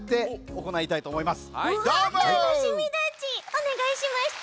おねがいしますち。